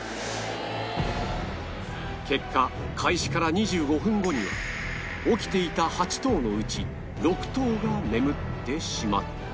結果開始から２５分後には起きていた８頭のうち６頭が眠ってしまった